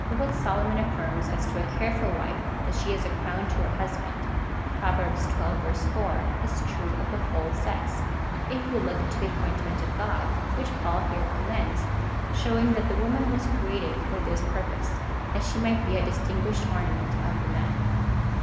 For what Solomon affirms as to a careful wife — that she is a crown to her husband, (Prov. xii. 4,) is true of the whole sex, if we look to the api^ointment of God, which Paul here commends, showing that the woman was created for this pur]30se — that she might be a distinguished ornament of the man.